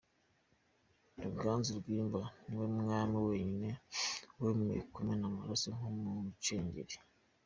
Ruganzu Bwimba ni we mwami wenyine wemeye kumena amaraso nk’umucengeri.